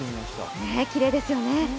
きれいですよね。